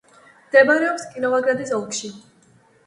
მდებარეობს კიროვოგრადის ოლქში.